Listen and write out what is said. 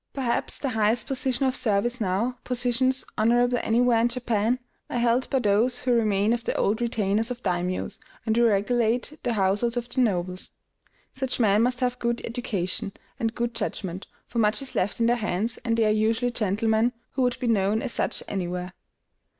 Perhaps the highest positions of service now positions honorable anywhere in Japan are held by those who remain of the old retainers of daimiōs, and who regulate the households of the nobles. Such men must have good education, and good judgment; for much is left in their hands, and they are usually gentlemen, who would be known as such anywhere.